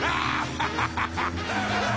ハハハハ！